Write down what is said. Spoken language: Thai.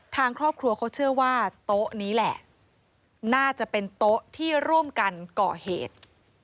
ทางครอบครัวเขาเชื่อว่าโต๊ะนี้แหละน่าจะเป็นโต๊ะที่ร่วมกันก่อเหตุ